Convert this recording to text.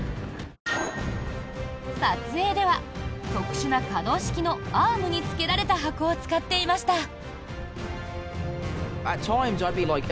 撮影では特殊な可動式のアームにつけられた箱を使っていました。